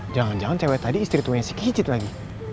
jangan jangan cewek tadi istri tua yang si kicit lagi